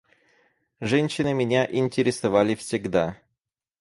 Женщины меня интересовали всегда.